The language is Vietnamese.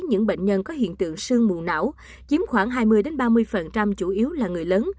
những bệnh nhân có hiện tượng sương mù não chiếm khoảng hai mươi ba mươi chủ yếu là người lớn